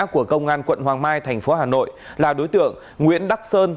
của công an quận hoàng mai tp hà nội là đối tượng nguyễn đắc sơn